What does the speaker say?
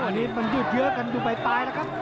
อันนี้มันยืดเยอะกันอยู่ปลายนะครับ